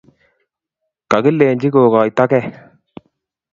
kakilenchi kokoitagei.